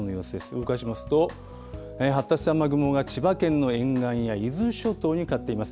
動かしますと、発達した雨雲が千葉県の沿岸や伊豆諸島にかかっています。